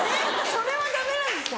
それはダメなんですか？